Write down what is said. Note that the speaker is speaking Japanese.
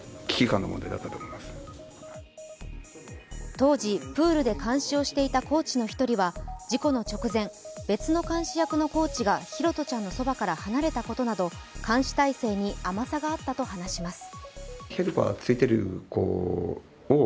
当時、プールで監視をしていたコーチの１人は事故の直前、別の監視役のコーチが拓杜ちゃんのそばから離れたことなど監視態勢に甘さがあったと話します。